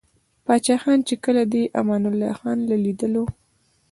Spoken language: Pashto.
پاچاخان ،چې کله دې امان الله خان له ليدلو o